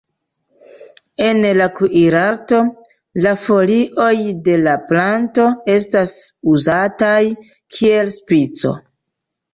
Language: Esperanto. En la kuirarto la folioj de la planto estas uzataj kiel spico.